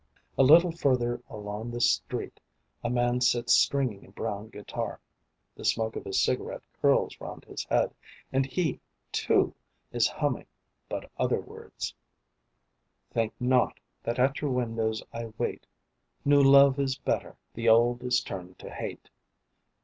A little further along the street A man sits stringing a brown guitar. The smoke of his cigarette curls round his head, And he, too, is humming, but other words: "Think not that at your window I wait; New love is better, the old is turned to hate.